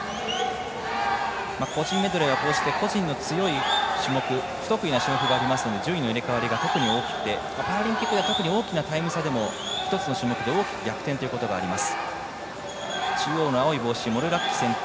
個人メドレーはこうして個人の得意な種目不得意な種目がありますので順位の入れ代わりが特に大きくてパラリンピックでは特に大きなタイム差では１つの種目で大きく逆転ということがあります。